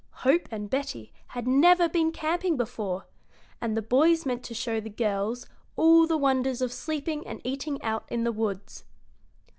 Hope and Betty had never been camping before, and the boys meant to show the girls all the wonders of sleeping and eating out in the woods.